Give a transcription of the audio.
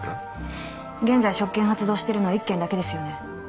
現在職権発動してるのは１件だけですよね。